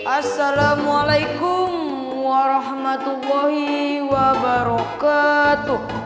assalamualaikum warahmatullahi wabarakatuh